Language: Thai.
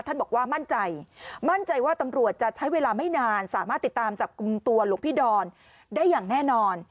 บอกว่ามั่นใจมั่นใจว่าตำรวจจะใช้เวลาไม่นานสามารถติดตามจับกลุ่มตัวหลวงพี่ดอนได้อย่างแน่นอน